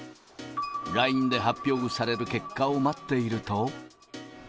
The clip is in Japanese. ＬＩＮＥで発表される結果を待っていると。